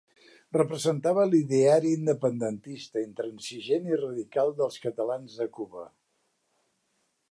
Representava l'ideari independentista, intransigent i radical, dels catalans de Cuba.